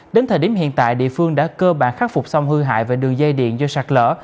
đến thời điểm hiện tại địa phương đã cơ bản khắc phục xong hư hại về đường dây điện do sạt lỡ